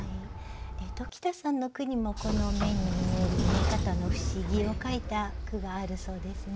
鴇田さんの句にも目に見える見え方の不思議を書いた句があるそうですね。